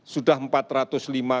sudah memperbaiki kesehatan